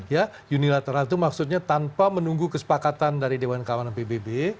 ya unilateral itu maksudnya tanpa menunggu kesepakatan dari dewan kawanan pbb